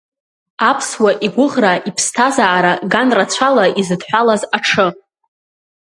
Аԥсуа игәыӷра, иԥсҭазаара ганрацәала изыдҳәалаз Аҽы!